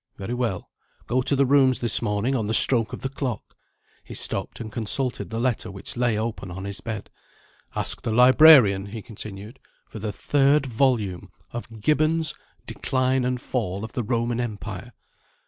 Very well. Go to the Rooms this morning, on the stroke of the clock." He stopped, and consulted the letter which lay open on his bed. "Ask the librarian," he continued, "for the third volume of Gibbon's 'Decline and Fall of the Roman Empire.'